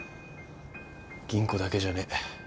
吟子だけじゃねえ。